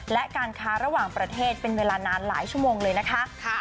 และการค้าระหว่างประเทศเป็นเวลานานหลายชั่วโมงเลยนะคะ